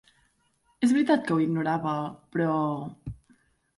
És veritat que ho ignorava, però...